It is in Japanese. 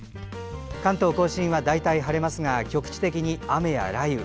関東・甲信は大体晴れますが局地的に雨や雷雨。